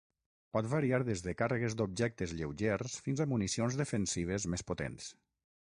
Pot variar des de càrregues d'objectes lleugers fins a municions defensives més potents.